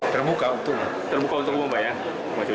termuka untuk membayangkan